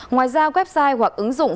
ngoài ra website hoặc ứng dụng